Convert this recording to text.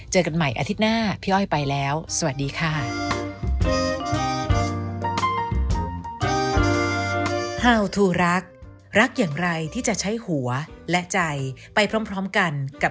เจอกันใหม่อาทิตย์หน้าพี่อ้อยไปแล้วสวัสดีค่ะ